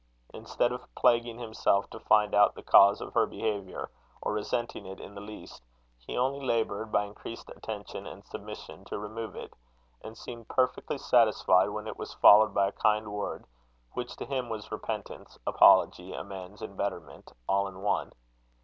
Instead of plaguing himself to find out the cause of her behaviour, or resenting it in the least, he only laboured, by increased attention and submission, to remove it; and seemed perfectly satisfied when it was followed by a kind word, which to him was repentance, apology, amends, and betterment, all in one.